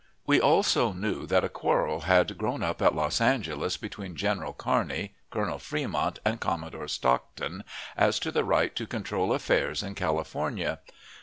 We also knew that a quarrel had grown up at Los Angeles, between General Kearney, Colonel Fremont, and Commodore Stockton, as to the right to control affairs in California.